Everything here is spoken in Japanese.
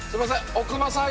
奥間さん